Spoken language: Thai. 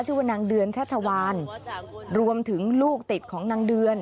ชื่อว่านางเดือนชัชวานรวมถึงลูกติดของนางเดือน